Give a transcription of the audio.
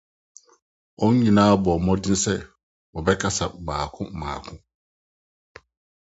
Wɔn nyinaa bɔɔ mmɔden sɛ wɔbɛkasa mmiako mmiako.